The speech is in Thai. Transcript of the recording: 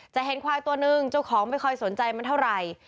จะเห็นควายตัวนึงเจ้าของไม่ค่อยสนใจมันเท่าไหร่